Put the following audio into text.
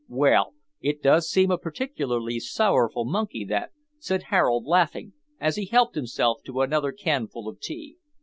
"Well, it does seem a particularly sorrowful monkey, that," said Harold, laughing, as he helped himself to another canful of tea.